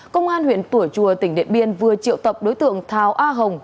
công an huyện tủa chùa tỉnh điện biên vừa triệu tập đối tượng tháo a hồng